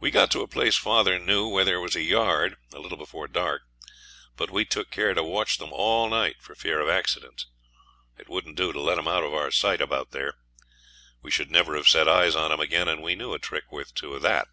We got to a place father knew, where there was a yard, a little before dark; but we took care to watch them all night for fear of accidents. It wouldn't do to let 'em out of our sight about there. We should never have set eyes on 'em again, and we knew a trick worth two of that.